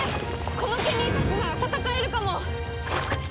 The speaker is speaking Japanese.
このケミーたちなら戦えるかも！